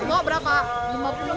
ini biasanya membawa berapa